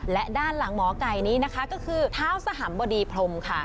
และด้านหลังหมอไก่นี้นะคะก็คือเท้าสหัมบดีพรมค่ะ